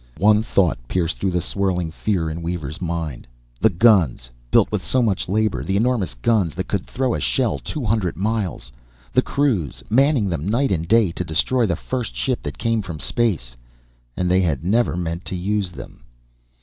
One thought pierced through the swirling fear in Weaver's mind. The guns, built with so much labor, the enormous guns that could throw a shell two hundred miles. The crews, manning them night and day to destroy the first ship that came in from space. And they had never meant to use them!